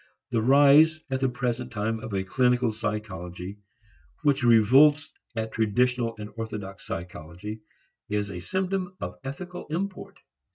The rise at the present time of a clinical psychology which revolts at traditional and orthodox psychology is a symptom of ethical import.